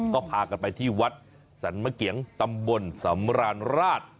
ก็พากันไปที่วัดสั๑๙๗๓สัมบนสรราณราช